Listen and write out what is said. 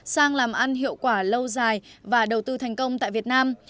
sang làm ăn hiệu quả lâu dài và đầu tư thành công tại việt nam